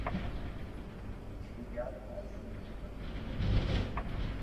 يا ٿرو پورو من ھي ڪرو ھي يار